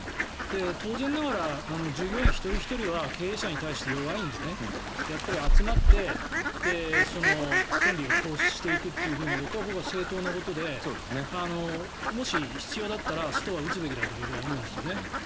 当然ながら従業員一人ひとりは経営者に対して弱いんで、集まって権利を行使していくことは僕は正当なことでもし必要だったらストは打つべきだと僕は思うんですよね。